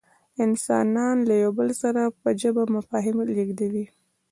انسانان له یو بل سره په ژبه مفاهیم لېږدوي.